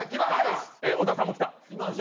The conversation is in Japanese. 小田さんも来た？